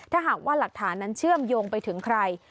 ถ้าหากว่าหลักฐานนั้นเชื่อมโยงไปถึงใคร